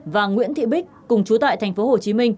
và nguyễn thị bích cùng chú tại tp hcm